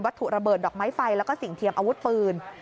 ถูกระเบิดดอกไม้ไฟแล้วก็สิ่งเทียมอาวุธปืน